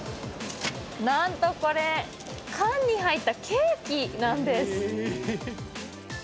なんとこれ缶に入ったケーキなんです。